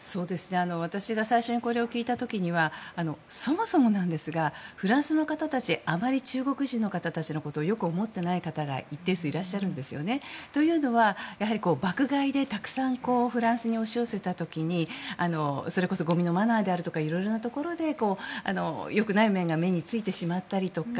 私が最初にこれを聞いた時にはそもそもなんですがフランスの方たちあまり中国人の方たちのことをよく思っていない方が一定数いらっしゃるんですよね。というのはやはり爆買いでフランスにたくさん押し寄せた時にそれこそゴミのマナーであるとか色々なところでよくない面が目についてしまったりとか